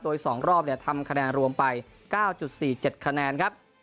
โดย๒รอบทำคะแนนรวมไป๙๔๗คะแนนครับ